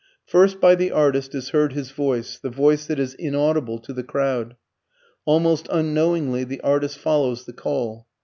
First by the artist is heard his voice, the voice that is inaudible to the crowd. Almost unknowingly the artist follows the call.